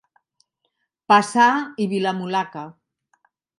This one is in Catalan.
Paçà i Vilamulaca.